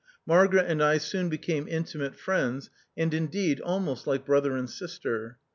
Margaret and I soon became intimate friends, and indeed almost like brother and sister.